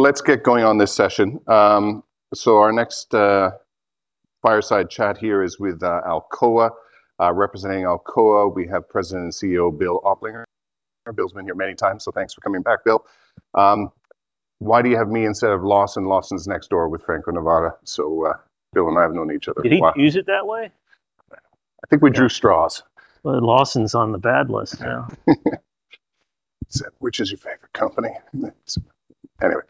Let's get going on this session. Our next fireside chat here is with Alcoa. Representing Alcoa, we have President and CEO Bill Oplinger. Bill's been here many times, thanks for coming back, Bill. Why do you have me instead of Lawson? Lawson's next door with Franco-Nevada, Bill and I have known each other a while. Did he use it that way? I think we drew straws. Well, Lawson's on the bad list now. Said, "Which is your favorite company?" Anyway.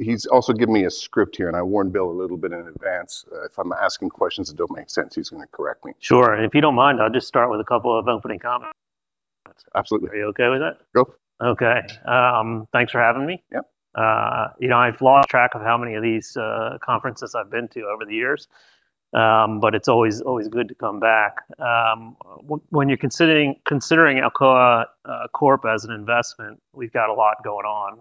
He's also given me a script here, and I warned Bill a little bit in advance. If I'm asking questions that don't make sense, he's gonna correct me. Sure. If you don't mind, I'll just start with a couple of opening comments. Absolutely. Are you okay with that? Go. Okay. Thanks for having me. Yep. You know, I've lost track of how many of these conferences I've been to over the years. It's always good to come back. When you're considering Alcoa Corp as an investment, we've got a lot going on,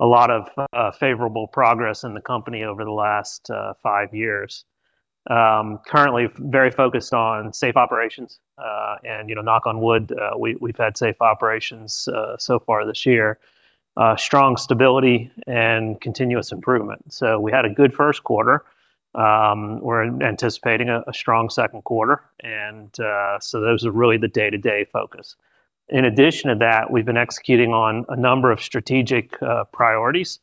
a lot of favorable progress in the company over the last five years. Currently very focused on safe operations. You know, knock on wood, we've had safe operations so far this year. Strong stability and continuous improvement. We had a good first quarter. We're anticipating a strong second quarter. Those are really the day-to-day focus. In addition to that, we've been executing on a number of strategic priorities.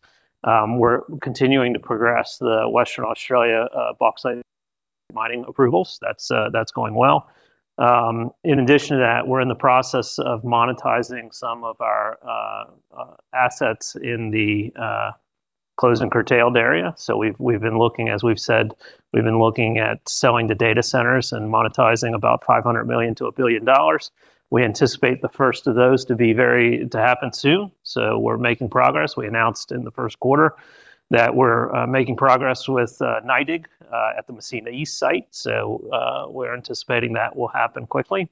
We're continuing to progress the Western Australia bauxite mining approvals. That's going well. In addition to that, we're in the process of monetizing some of our assets in the closed and curtailed area. We've been looking, as we've said, we've been looking at selling the data centers and monetizing about $500 million-$1 billion. We anticipate the first of those to happen soon. We're making progress. We announced in the first quarter that we're making progress with NYDIG at the Massena East site. We're anticipating that will happen quickly.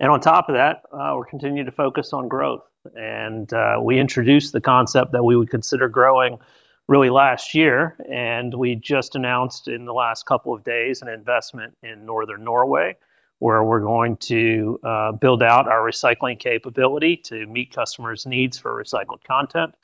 On top of that, we're continuing to focus on growth. We introduced the concept that we would consider growing really last year, and we just announced in the last couple of days an investment in Northern Norway, where we're going to build out our recycling capability to meet customers' needs for recycled content.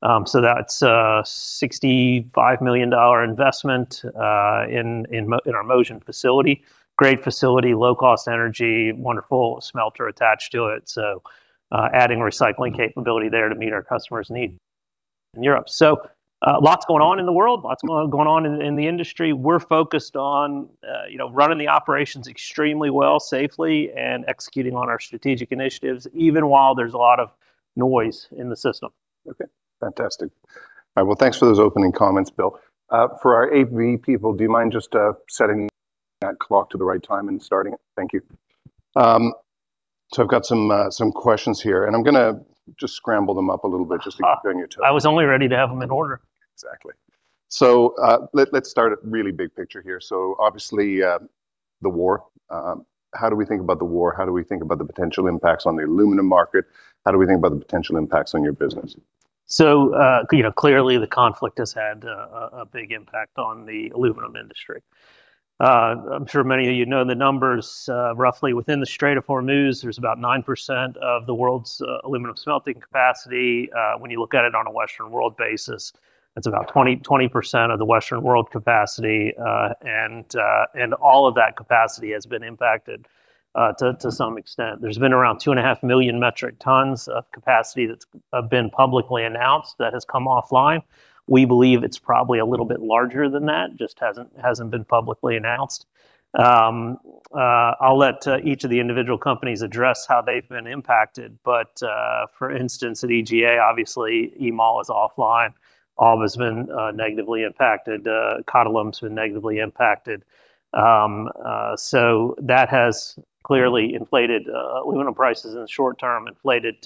That's a $65 million investment in our Mosjøen facility. Great facility, low cost energy, wonderful smelter attached to it. Adding recycling capability there to meet our customers' needs in Europe. Lots going on in the world, lots going on in the industry. We're focused on, you know, running the operations extremely well, safely, and executing on our strategic initiatives, even while there's a lot of noise in the system. Okay, fantastic. All right, well, thanks for those opening comments, Bill. For our AV people, do you mind just setting that clock to the right time and starting it? Thank you. I've got some questions here, and I'm gonna just scramble them up a little bit just to keep you on your toes. I was only ready to have them in order. Exactly. Let's start at really big picture here. Obviously, the war. How do we think about the war? How do we think about the potential impacts on the aluminum market? How do we think about the potential impacts on your business? You know, clearly the conflict has had a big impact on the aluminum industry. I'm sure many of you know the numbers. Roughly within the Strait of Hormuz, there's about 9% of the world's aluminum smelting capacity. When you look at it on a Western world basis, it's about 20% of the Western world capacity. All of that capacity has been impacted to some extent. There's been around 2.5 million metric tons of capacity that's been publicly announced that has come offline. We believe it's probably a little bit larger than that, just hasn't been publicly announced. I'll let each of the individual companies address how they've been impacted. For instance, at EGA, obviously EMAL is offline. AL has been negatively impacted. Qatalum's been negatively impacted. That has clearly inflated aluminum prices in the short term, inflated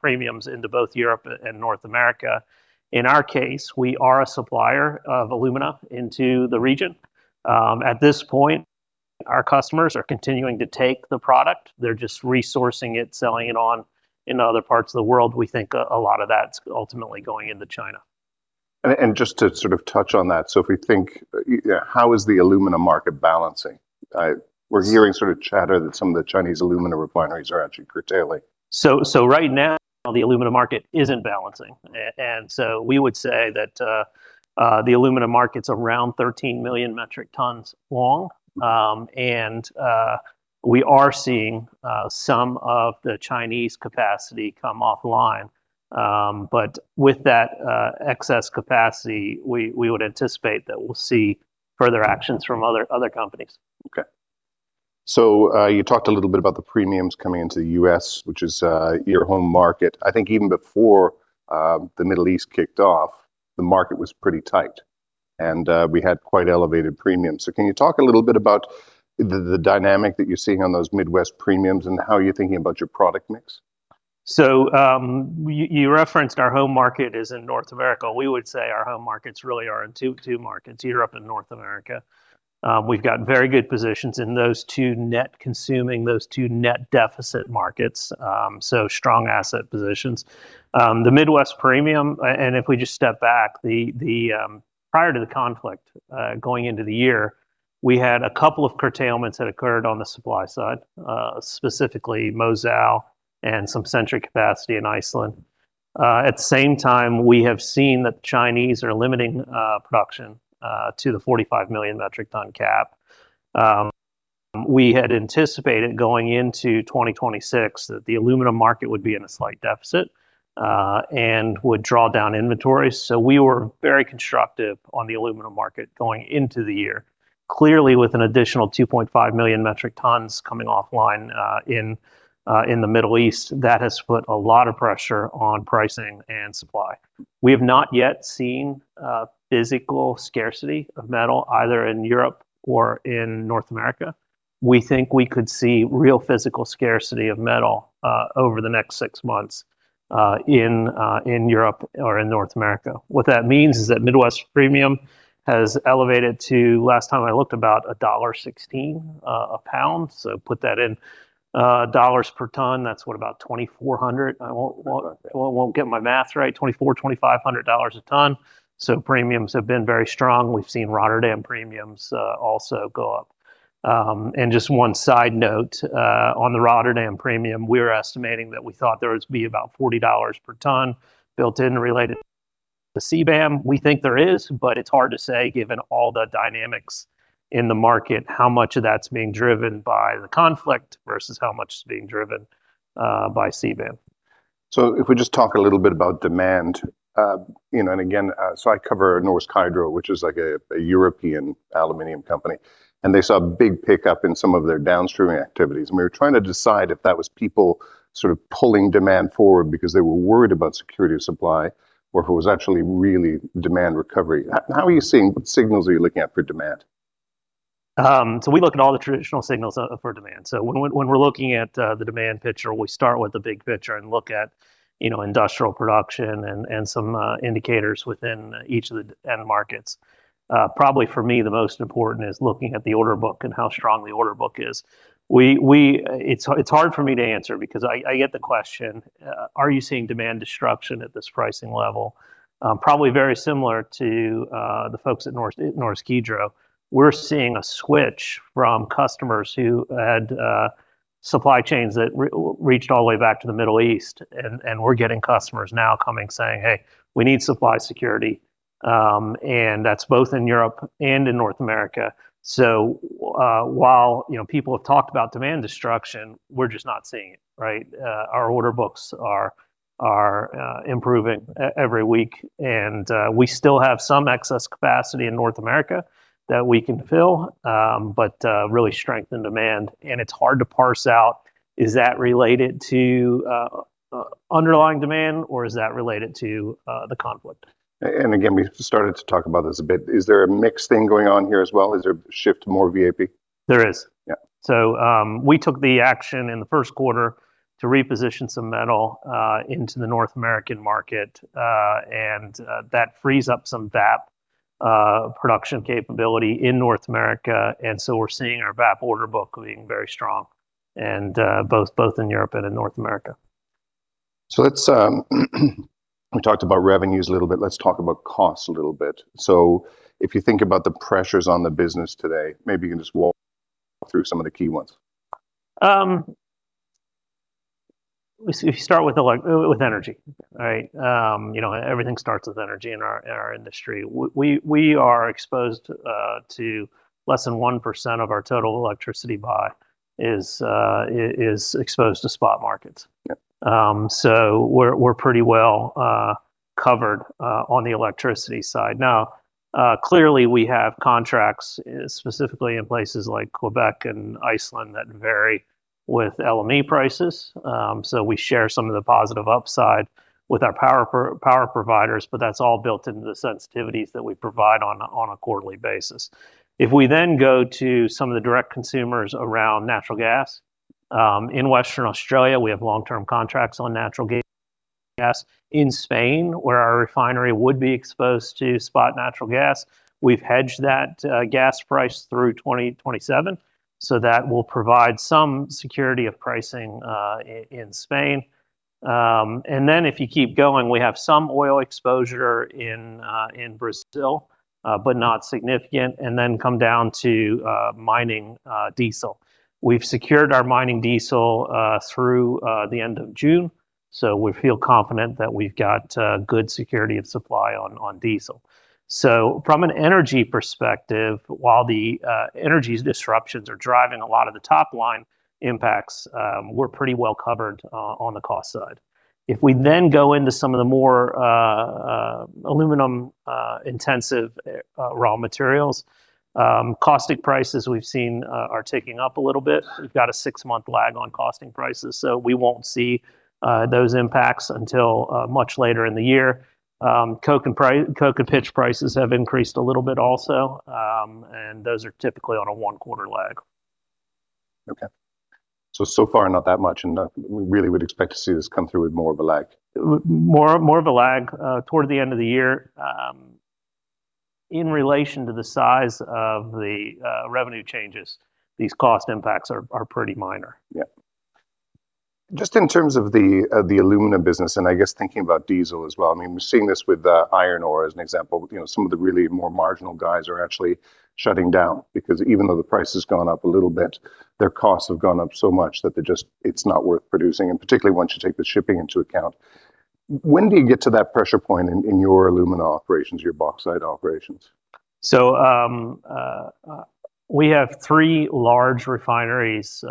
premiums into both Europe and North America. In our case, we are a supplier of alumina into the region. At this point, our customers are continuing to take the product. They're just resourcing it, selling it on into other parts of the world. We think a lot of that's ultimately going into China. Just to sort of touch on that. If we think, yeah, how is the alumina market balancing? We're hearing sort of chatter that some of the Chinese alumina refineries are actually curtailing. Right now the alumina market isn't balancing. We would say that the alumina market's around 13 million metric tons long. We are seeing some of the Chinese capacity come offline. With that excess capacity, we would anticipate that we'll see further actions from other companies. Okay. You talked a little bit about the premiums coming into the U.S., which is your home market. I think even before, the Middle East kicked off, the market was pretty tight, and we had quite elevated premiums. Can you talk a little bit about the dynamic that you're seeing on those Midwest premiums and how you're thinking about your product mix? You, you referenced our home market is in North America. We would say our home markets really are in two markets, Europe and North America. We've got very good positions in those two net consuming, those two net deficit markets, so strong asset positions. The Midwest premium, if we just step back, prior to the conflict, going into the year. We had a couple of curtailments that occurred on the supply side, specifically Mozal and some Century capacity in Iceland. At the same time, we have seen that the Chinese are limiting production to the 45 million metric ton cap. We had anticipated going into 2026 that the aluminum market would be in a slight deficit and would draw down inventory. We were very constructive on the aluminum market going into the year. Clearly, with an additional 2.5 million metric tons coming offline in the Middle East, that has put a lot of pressure on pricing and supply. We have not yet seen physical scarcity of metal either in Europe or in North America. We think we could see real physical scarcity of metal over the next six months in Europe or in North America. What that means is that Midwest premium has elevated to last time I looked about $1.16 per pound. Put that in dollars per ton. That's what, about 2,400. I won't get my math right. $2,400-$2,500 per ton. Premiums have been very strong. We've seen Rotterdam premiums also go up. Just one side note, on the Rotterdam premium, we're estimating that we thought there would be about $40 per ton built in related to CBAM. We think there is, but it's hard to say given all the dynamics in the market, how much of that's being driven by the conflict versus how much is being driven by CBAM. If we just talk a little bit about demand, you know, I cover Norsk Hydro, which is like a European aluminum company, and they saw a big pickup in some of their downstream activities. We were trying to decide if that was people sort of pulling demand forward because they were worried about security of supply or if it was actually really demand recovery. How are you seeing, what signals are you looking at for demand? We look at all the traditional signals for demand. When we're looking at the demand picture, we start with the big picture and look at, you know, industrial production and some indicators within each of the end markets. Probably for me, the most important is looking at the order book and how strong the order book is. It's hard for me to answer because I get the question, are you seeing demand destruction at this pricing level? Probably very similar to the folks at Norsk Hydro. We're seeing a switch from customers who had supply chains that reached all the way back to the Middle East. We're getting customers now coming saying, "Hey, we need supply security." That's both in Europe and in North America. While, you know, people have talked about demand destruction, we're just not seeing it, right? Our order books are improving every week. We still have some excess capacity in North America that we can fill, but really strengthen demand. It's hard to parse out, is that related to underlying demand or is that related to the conflict? Again, we started to talk about this a bit. Is there a mixed thing going on here as well? Is there a shift to more VAP? There is. Yeah. We took the action in the first quarter to reposition some metal into the North American market. That frees up some VAP production capability in North America. We're seeing our VAP order book being very strong and both in Europe and in North America. We talked about revenues a little bit. Let's talk about costs a little bit. If you think about the pressures on the business today, maybe you can just walk through some of the key ones. We start with energy, right? You know, everything starts with energy in our industry. We are exposed to less than 1% of our total electricity buy is exposed to spot markets. Yeah. We're pretty well covered on the electricity side. Now, clearly, we have contracts specifically in places like Quebec and Iceland that vary with LME prices. We share some of the positive upside with our power providers, but that's all built into the sensitivities that we provide on a quarterly basis. If we go to some of the direct consumers around natural gas, in Western Australia, we have long-term contracts on natural gas. In Spain, where our refinery would be exposed to spot natural gas, we've hedged that gas price through 2027. That will provide some security of pricing in Spain. If you keep going, we have some oil exposure in Brazil, but not significant, come down to mining diesel. We've secured our mining diesel through the end of June, we feel confident that we've got good security of supply on diesel. From an energy perspective, while the energy disruptions are driving a lot of the top line impacts, we're pretty well covered on the cost side. If we then go into some of the more aluminum intensive raw materials, caustic prices we've seen are ticking up a little bit. We've got a six-month lag on caustic prices, we won't see those impacts until much later in the year. Coke and pitch prices have increased a little bit also, those are typically on a one-quarter lag. Okay. So far not that much, we really would expect to see this come through with more of a lag. More of a lag toward the end of the year. In relation to the size of the revenue changes, these cost impacts are pretty minor. Yeah. Just in terms of the, of the alumina business, and I guess thinking about diesel as well, I mean, we're seeing this with iron ore as an example. You know, some of the really more marginal guys are actually shutting down because even though the price has gone up a little bit, their costs have gone up so much that they're just, it's not worth producing, and particularly once you take the shipping into account. When do you get to that pressure point in your alumina operations, your bauxite operations? We have three large refineries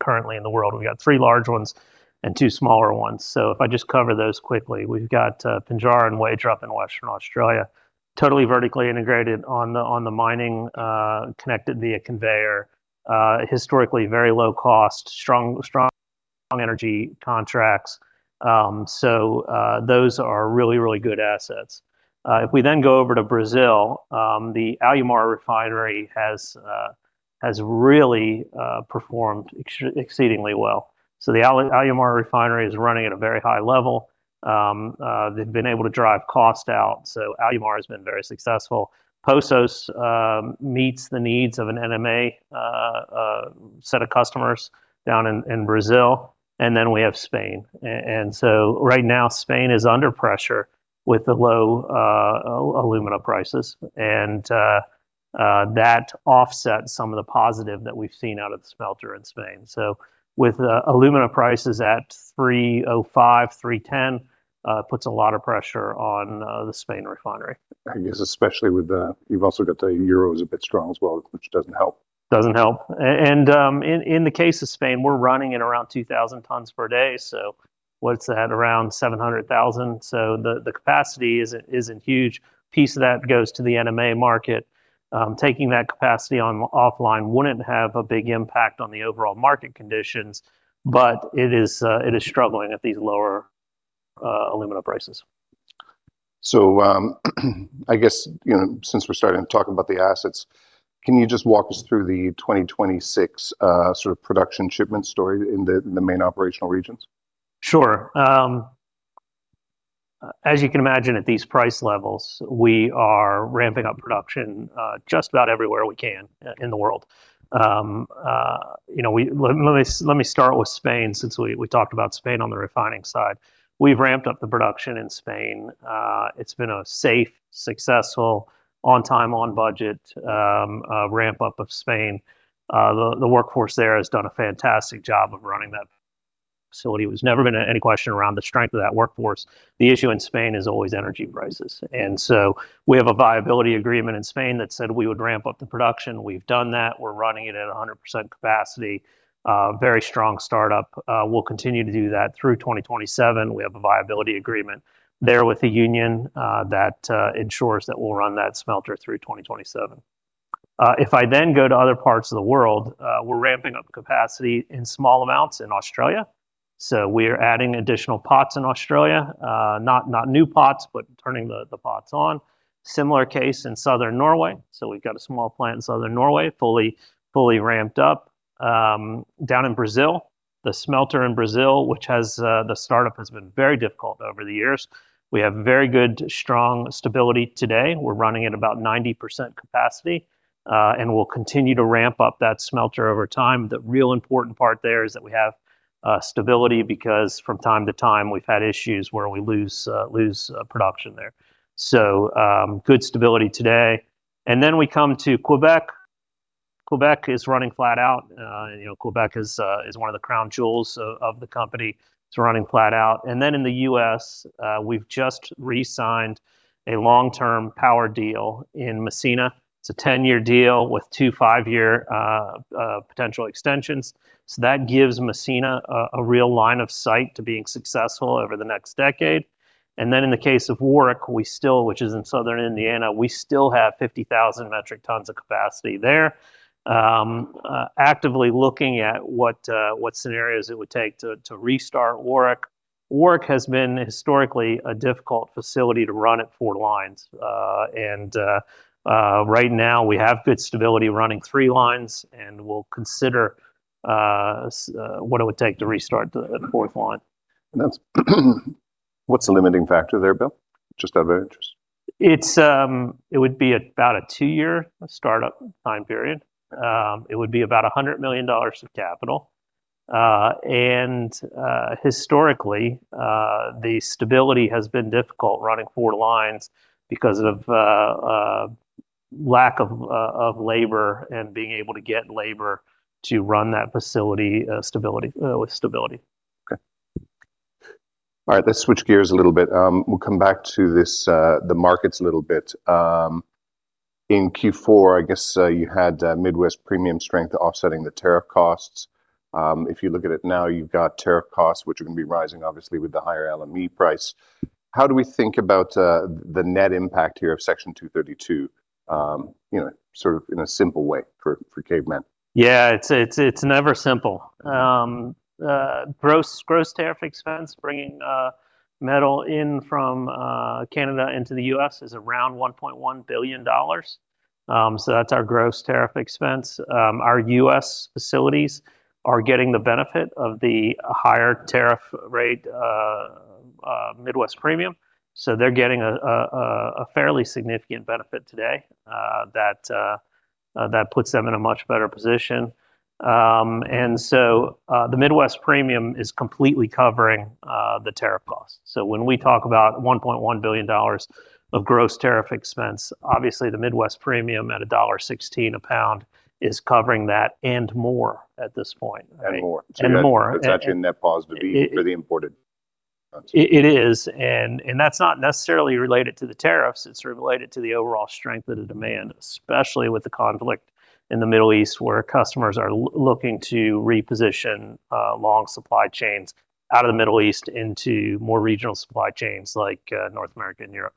currently in the world. We got three large ones and two smaller ones. If I just cover those quickly. We've got Pinjarra and Wagerup in Western Australia, totally vertically integrated on the mining, connected via conveyor. Historically very low cost, strong energy contracts. Those are really good assets. If we go over to Brazil, the Alumar Refinery has really performed exceedingly well. The Alumar Refinery is running at a very high level. They've been able to drive cost out, Alumar has been very successful. Poços meets the needs of an NMA set of customers down in Brazil, we have Spain. Right now Spain is under pressure with the low alumina prices and that offsets some of the positive that we've seen out of the smelter in Spain. With alumina prices at $305, $310, puts a lot of pressure on the Spain refinery. I guess especially with the You've also got the euro is a bit strong as well, which doesn't help. Doesn't help. In the case of Spain, we're running at around 2,000 tons per day, what's that? Around 700,000. The capacity isn't huge. Piece of that goes to the NMA market. Taking that capacity offline wouldn't have a big impact on the overall market conditions. It is struggling at these lower, alumina prices. I guess, you know, since we're starting to talk about the assets, can you just walk us through the 2026 sort of production shipment story in the main operational regions? Sure. As you can imagine at these price levels, we are ramping up production just about everywhere we can in the world. You know, let me start with Spain since we talked about Spain on the refining side. We've ramped up the production in Spain. It's been a safe, successful, on time, on budget ramp-up of Spain. The workforce there has done a fantastic job of running that facility. There's never been any question around the strength of that workforce. The issue in Spain is always energy prices. We have a Viability Agreement in Spain that said we would ramp up the production. We've done that. We're running it at 100% capacity. Very strong startup. We'll continue to do that through 2027. We have a Viability Agreement there with the union that ensures that we'll run that smelter through 2027. If I then go to other parts of the world, we're ramping up capacity in small amounts in Australia, so we're adding additional pots in Australia. Not new pots, but turning the pots on. Similar case in Southern Norway. We've got a small plant in Southern Norway fully ramped up. Down in Brazil, the smelter in Brazil, which has the startup has been very difficult over the years, we have very good, strong stability today. We're running at about 90% capacity, and we'll continue to ramp up that smelter over time. The real important part there is that we have stability because from time to time we've had issues where we lose production there. Good stability today. We come to Quebec. Quebec is running flat out. You know, Quebec is one of the crown jewels of the company. It's running flat out. In the U.S., we've just resigned a long-term power deal in Massena. It's a 10-year deal with two five-year potential extensions. That gives Massena a real line of sight to being successful over the next decade. In the case of Warrick, which is in Southern Indiana, we still have 50,000 metric tons of capacity there. Actively looking at what scenarios it would take to restart Warrick. Warrick has been historically a difficult facility to run at four lines. Right now we have good stability running three lines and we'll consider what it would take to restart the fourth line. That's what's the limiting factor there, Bill, just out of interest? It would be about a two-year startup time period. It would be about $100 million of capital. Historically, the stability has been difficult running four lines because of lack of labor and being able to get labor to run that facility. Okay. All right, let's switch gears a little bit. We'll come back to this, the markets a little bit. In Q4, I guess, you had Midwest premium strength offsetting the tariff costs. If you look at it now, you've got tariff costs which are gonna be rising obviously with the higher LME price. How do we think about the net impact here of Section 232, you know, sort of in a simple way for cavemen? Yeah, it's never simple. Gross tariff expense, bringing metal in from Canada into the U.S. is around $1.1 billion. That's our gross tariff expense. Our U.S. facilities are getting the benefit of the higher tariff rate Midwest premium. They're getting a fairly significant benefit today that puts them in a much better position. The Midwest premium is completely covering the tariff cost. When we talk about $1.1 billion of gross tariff expense, obviously the Midwest premium at a $1.16 per pound is covering that and more at this point. More. More. That's actually a net positive for the imported. It is. That's not necessarily related to the tariffs, it's related to the overall strength of the demand, especially with the conflict in the Middle East where customers are looking to reposition long supply chains out of the Middle East into more regional supply chains like North America and Europe.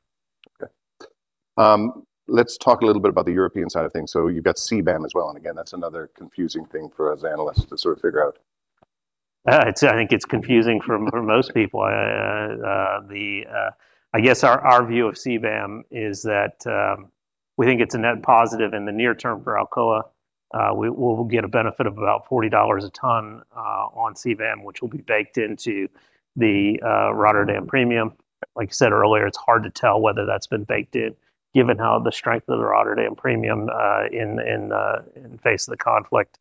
Okay. Let's talk a little bit about the European side of things. You've got CBAM as well. Again, that's another confusing thing for us analysts to sort of figure out. It's, I think it's confusing for most people. The, I guess our view of CBAM is that we think it's a net positive in the near term for Alcoa. We'll get a benefit of about $40 per ton on CBAM, which will be baked into the Rotterdam premium. Like I said earlier, it's hard to tell whether that's been baked in given how the strength of the Rotterdam premium in face of the conflict.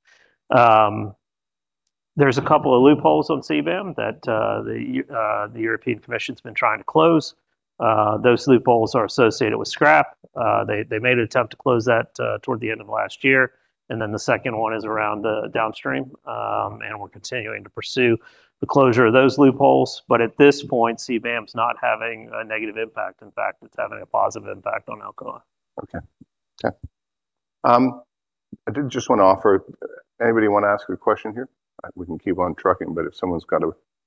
There's a couple of loopholes on CBAM that the European Commission's been trying to close. Those loopholes are associated with scrap. They made an attempt to close that toward the end of last year, and then the second one is around the downstream. We're continuing to pursue the closure of those loopholes. At this point, CBAM's not having a negative impact. In fact, it's having a positive impact on Alcoa. Okay. Okay. I did just want to offer, anybody want to ask a question here? We can keep on trucking.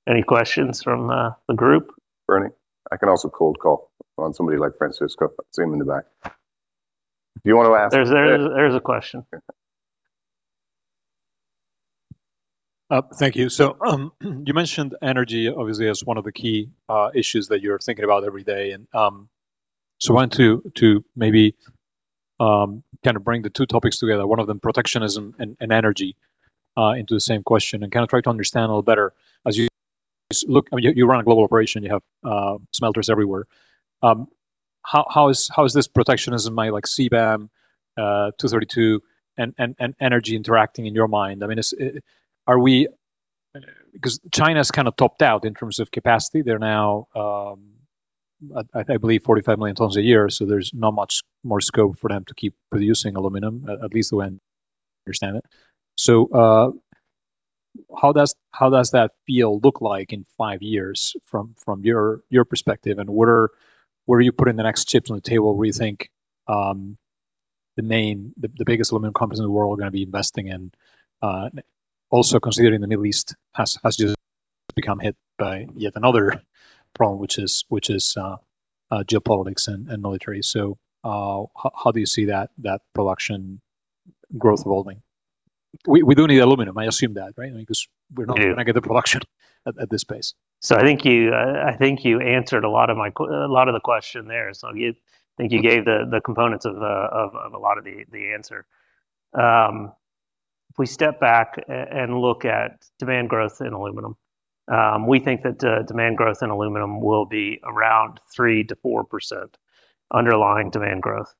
Any questions from the group? Bernie. I can also cold call on somebody like Francisco. I see him in the back. Do you want to ask? There is a question. Okay. Thank you. You mentioned energy obviously as one of the key issues that you're thinking about every day. I want to maybe kind of bring the two topics together, one of them protectionism and energy into the same question, and kind of try to understand a little better. As you look, I mean, you run a global operation, you have smelters everywhere. How is this protectionism by like CBAM, 232 and energy interacting in your mind? I mean, because China's kind of topped out in terms of capacity. They're now, I believe 45 million tons a year, so there's not much more scope for them to keep producing aluminum, at least the way I understand it. How does that field look like in five years from your perspective? Where are you putting the next chips on the table where you think the main, the biggest aluminum companies in the world are going to be investing in? Also considering the Middle East has just become hit by yet another problem, which is geopolitics and military. How do you see that production growth evolving? We do need aluminum, I assume that, right? I mean, because we're not going to get the production at this pace. I think you answered a lot of the question there. You, I think you gave the components of a lot of the answer. If we step back and look at demand growth in aluminum, we think that demand growth in aluminum will be around 3%-4% underlying demand growth.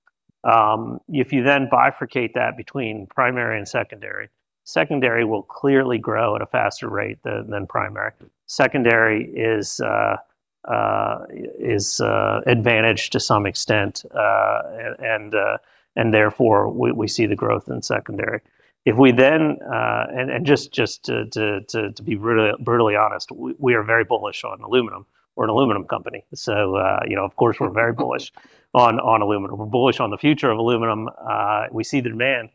If you then bifurcate that between primary and secondary will clearly grow at a faster rate than primary. Secondary is advantaged to some extent and therefore we see the growth in secondary. If we then, and just to be brutally honest, we are very bullish on aluminum. We're an aluminum company, you know, of course we're very bullish on aluminum. We're bullish on the future of aluminum. We see the demand.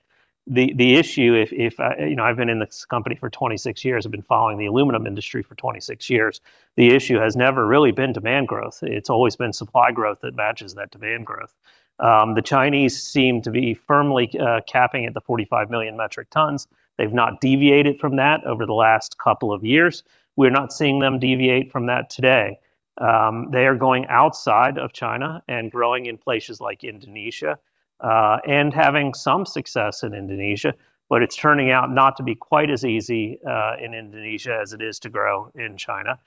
The issue, you know, I've been in this company for 26 years. I've been following the aluminum industry for 26 years. The issue has never really been demand growth. It's always been supply growth that matches that demand growth. The Chinese seem to be firmly capping at the 45 million metric tons. They've not deviated from that over the last couple of years. We're not seeing them deviate from that today. They are going outside of China and growing in places like Indonesia and having some success in Indonesia, but it's turning out not to be quite as easy in Indonesia as it is to grow in China.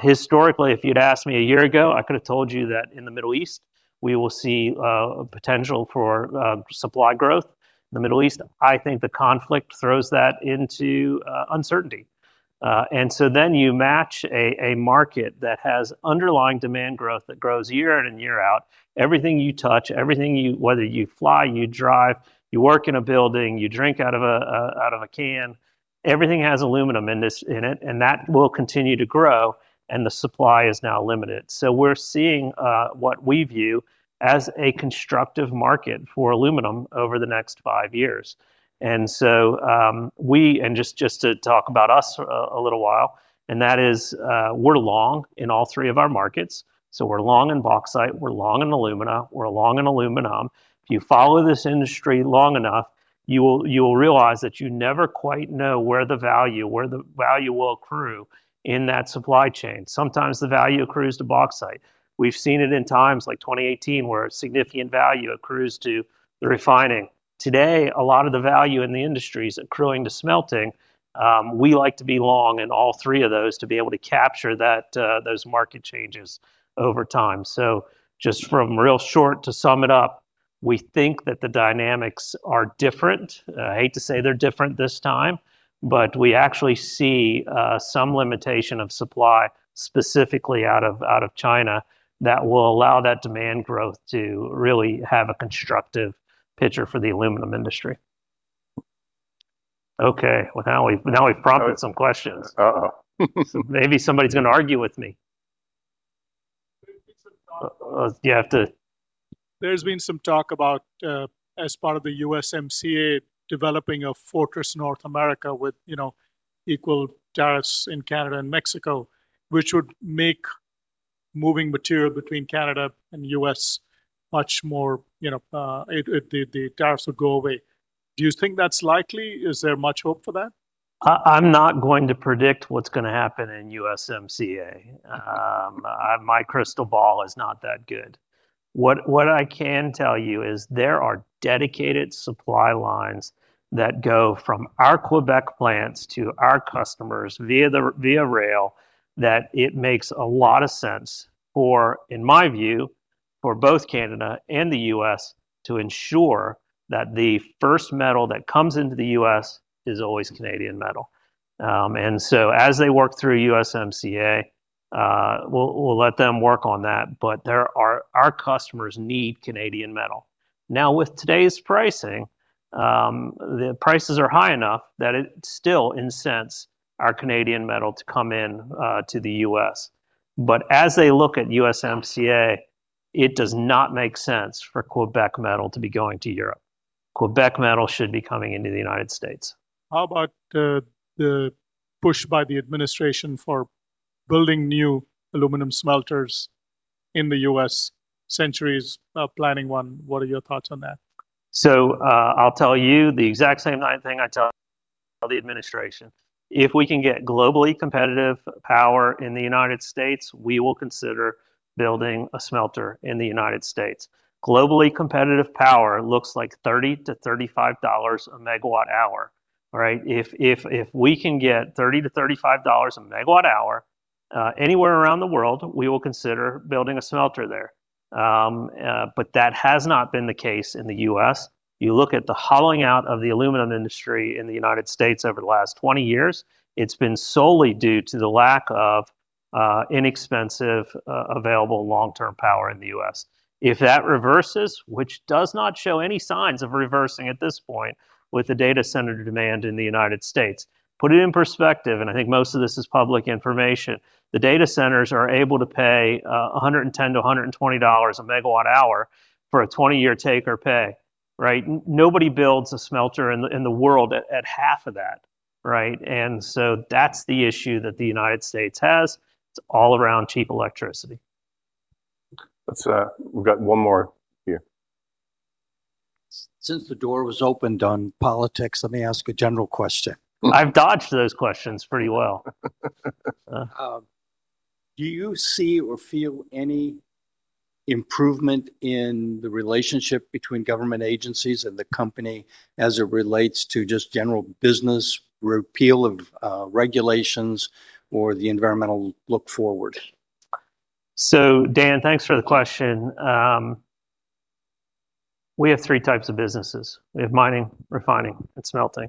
Historically, if you'd asked me one year ago, I could have told you that in the Middle East we will see potential for supply growth in the Middle East. I think the conflict throws that into uncertainty. You match a market that has underlying demand growth that grows year in and year out. Everything you touch, everything, whether you fly, you drive, you work in a building, you drink out of a can, everything has aluminum in this, in it, and that will continue to grow, and the supply is now limited. We're seeing what we view as a constructive market for aluminum over the next five years. We're long in all three of our markets. We're long in bauxite, we're long in alumina, we're long in aluminum. If you follow this industry long enough, you will realize that you never quite know where the value will accrue in that supply chain. Sometimes the value accrues to bauxite. We've seen it in times like 2018 where significant value accrues to the refining. Today, a lot of the value in the industry is accruing to smelting. We like to be long in all three of those to be able to capture that those market changes over time. Just from real short to sum it up. We think that the dynamics are different. I hate to say they're different this time, we actually see some limitation of supply, specifically out of China, that will allow that demand growth to really have a constructive picture for the aluminum industry. Okay, well now we've prompted some questions. Uh-oh. Maybe somebody's gonna argue with me. There's been some talk- You have to. There's been some talk about, as part of the USMCA, developing a fortress North America with, you know, equal tariffs in Canada and Mexico, which would make moving material between Canada and the U.S. much more, you know, the tariffs would go away. Do you think that's likely? Is there much hope for that? I'm not going to predict what's gonna happen in USMCA. My crystal ball is not that good. What I can tell you is there are dedicated supply lines that go from our Quebec plants to our customers via rail, that it makes a lot of sense for, in my view, for both Canada and the U.S. to ensure that the first metal that comes into the U.S. is always Canadian metal. As they work through USMCA, we'll let them work on that. Our customers need Canadian metal. Now, with today's pricing, the prices are high enough that it still incents our Canadian metal to come in to the U.S. As they look at USMCA, it does not make sense for Quebec metal to be going to Europe. Quebec metal should be coming into the United States. How about the push by the administration for building new aluminum smelters in the U.S.? Century's planning one. What are your thoughts on that? I'll tell you the exact same thing I tell the administration. If we can get globally competitive power in the U.S., we will consider building a smelter in the U.S. Globally competitive power looks like $30 to $35 per MWh right? If we can get $30 to $35 per MWh anywhere around the world, we will consider building a smelter there. That has not been the case in the U.S. You look at the hollowing out of the aluminum industry in the U.S. over the last 20 years, it's been solely due to the lack of inexpensive, available long-term power in the U.S. If that reverses, which does not show any signs of reversing at this point with the data center demand in the U.S. Put it in perspective, I think most of this is public information, the data centers are able to pay $110 to $120 per MWh for a 20-year take or pay, right? Nobody builds a smelter in the world at half of that, right? That's the issue that the United States has. It's all around cheap electricity. Let's, we've got one more here. Since the door was opened on politics, let me ask a general question. I've dodged those questions pretty well. Do you see or feel any improvement in the relationship between government agencies and the company as it relates to just general business, repeal of regulations, or the environmental look forward? Dan, thanks for the question. We have three types of businesses. We have mining, refining, and smelting.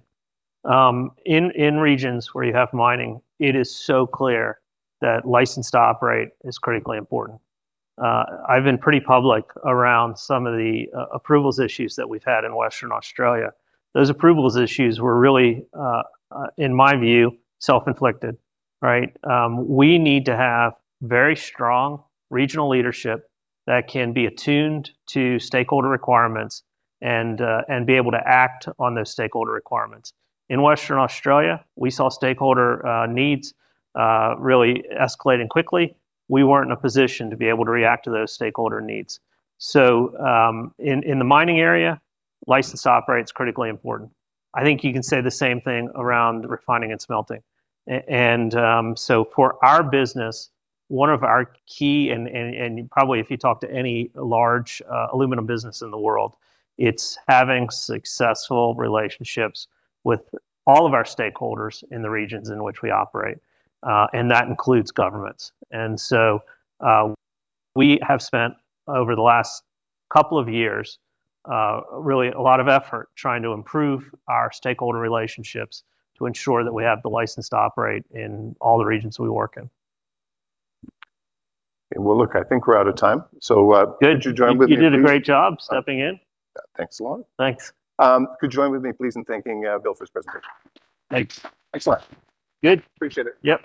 In regions where you have mining, it is so clear that license to operate is critically important. I've been pretty public around some of the approvals issues that we've had in Western Australia. Those approvals issues were really, in my view, self-inflicted, right? We need to have very strong regional leadership that can be attuned to stakeholder requirements and be able to act on those stakeholder requirements. In Western Australia, we saw stakeholder needs really escalating quickly. We weren't in a position to be able to react to those stakeholder needs. In the mining area, license to operate is critically important. I think you can say the same thing around refining and smelting. For our business, one of our key, and probably if you talk to any large aluminum business in the world, it's having successful relationships with all of our stakeholders in the regions in which we operate, and that includes governments. We have spent over the last couple of years, really a lot of effort trying to improve our stakeholder relationships to ensure that we have the license to operate in all the regions we work in. Well, look, I think we're out of time. Good Could you join me please? You did a great job stepping in. Thanks a lot. Thanks. Could you join with me please in thanking, Bill for his presentation? Thanks. Excellent. Good. Appreciate it. Yep.